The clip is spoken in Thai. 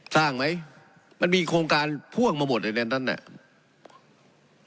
สร้างไหมมันมีโครงการพ่วงมาหมดในนั้นเนี่ย